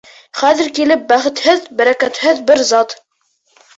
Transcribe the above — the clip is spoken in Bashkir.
Хәҙер килеп бәхетһеҙ, бәрәкәтһеҙ бер зат.